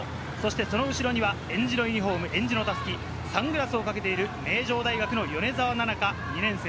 その後ろには、えんじのユニホーム、えんじの襷、サングラスをかけている名城大学の米澤奈々香、２年生。